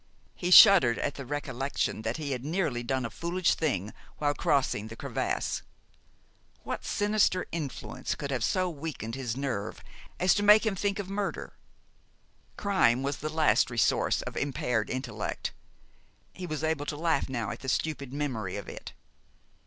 He shuddered at the recollection that he had nearly done a foolish thing while crossing the crevasse. What sinister influence could have so weakened his nerve as to make him think of murder? Crime was the last resource of impaired intellect. He was able to laugh now at the stupid memory of it.